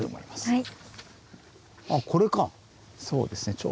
はい。